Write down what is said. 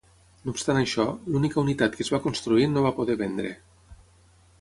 No obstant això, l'única unitat que es va construir no va poder vendre.